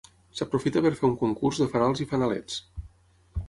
S'aprofita per fer un concurs de fanals i fanalets.